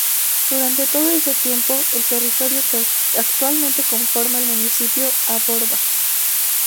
Durante todo ese tiempo, el territorio que actualmente conforma el municipio a Borba.